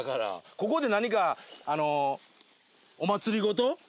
ここで何かお祀り事。